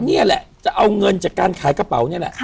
นี่แหละจะเอาเงินจากการขายกระเป๋านี่แหละ